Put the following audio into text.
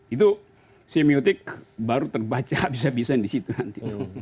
itu semiotik baru terbaca habis habisan disitu nanti